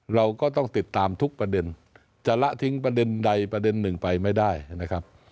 เราก็ต้องติดตามทุกประเด็นจะละทิ้งประเด็นใดประเด็นหนึ่งไปไม่ได้นะครับ